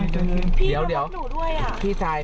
ถ่ายแน็ตทำห้องอยู่หนู